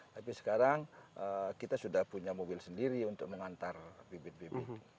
tapi sekarang kita sudah punya mobil sendiri untuk mengantar bibit bibit